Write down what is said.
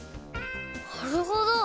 なるほど！